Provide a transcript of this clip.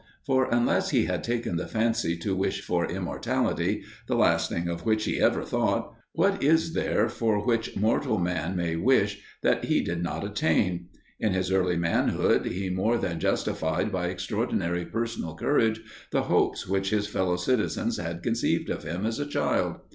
For, unless he had taken the fancy to wish for immortality, the last thing of which he ever thought, what is there for which mortal man may wish that he did not attain? In his early manhood he more than justified by extraordinary personal courage the hopes which his fellow citizens had conceived of him as a child.